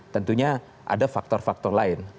tentunya ada faktor faktor lain